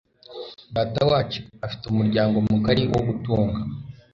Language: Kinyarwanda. Datawacu afite umuryango mugari wo gutunga.